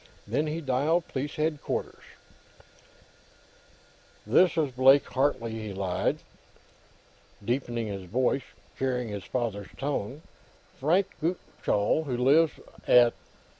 Then he dialed Police Headquarters. "This is Blake Hartley," he lied, deepening his voice and copying his father's tone. "Frank Gutchall, who lives at...